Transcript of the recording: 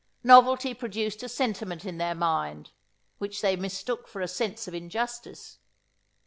Novelty produced a sentiment in their mind, which they mistook for a sense of injustice.